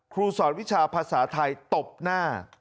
ครูสอนวิชาภาษาไทยตบหน้า